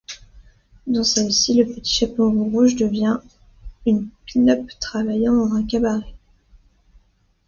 Dans celle-ci, le Petit Chaperon rouge devient une pin-up travaillant dans un cabaret.